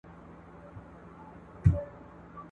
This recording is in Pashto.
اوس د شیخانو له شامته شهباز ویني ژاړي ..